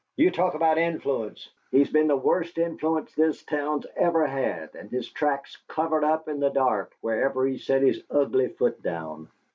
"You talk about influence! He's been the worst influence this town's ever had and his tracks covered up in the dark wherever he set his ugly foot down.